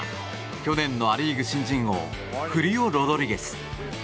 去年のア・リーグ新人王フリオ・ロドリゲス。